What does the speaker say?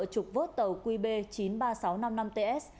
trục vớt tàu qb chín mươi ba nghìn sáu trăm năm mươi năm ts